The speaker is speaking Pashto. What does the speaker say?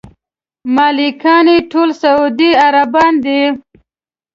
مالکان یې ټول سعودي عربان دي.